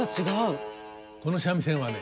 この三味線はね